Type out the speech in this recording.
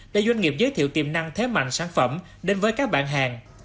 để doanh nghiệp giới thiệu tiềm năng thế mạnh sản phẩm đến với các bạn hàng